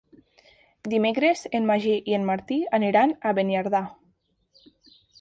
Dimecres en Magí i en Martí aniran a Beniardà.